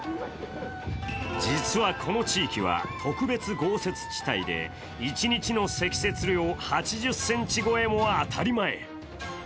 実はこの地域は特別豪雪地帯で一日の積雪量８０ｃｍ超えも当たり前。